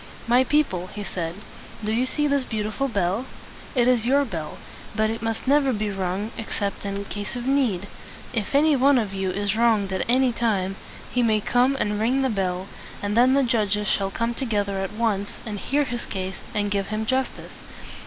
"My people," he said, "do you see this beautiful bell? It is your bell; but it must never be rung except in case of need. If any one of you is wronged at any time, he may come and ring the bell; and then the judges shall come together at once, and hear his case, and give him justice.